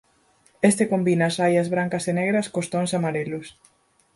Este combina as raias brancas e negras cos tons amarelos.